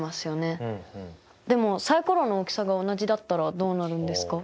でもサイコロの大きさが同じだったらどうなるんですか？